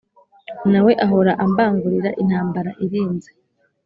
nawe ahora ambangurira intambara irinze.